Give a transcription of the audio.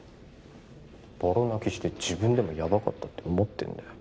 ボロ泣きして自分でもヤバかったって思ってんだよ